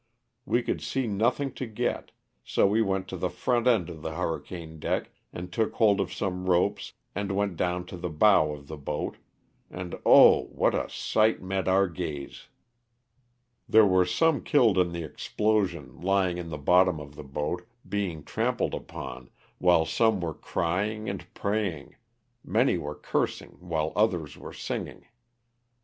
We could see nothing to get, so we went to the front end of the hurricane deck and took hold of some ropes and went down to the bow of jthe boat^ and 0, what a]sight met our gaze ! There 64 LOSS OF THE SULTANA. were some killed in the explosion, lying in the bottom of the boat, being trampled upon, while some were crying and praying, many were cursing while others were singing.